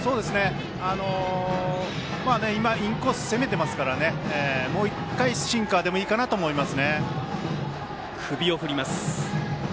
インコースで攻めていますからもう１回シンカーでもいいかなと思います。